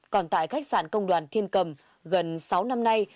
còn tại khách sạn công đoàn thiên cầm gần sáu năm nay